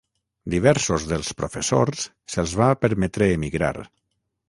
Diversos dels professors se'ls va permetre emigrar.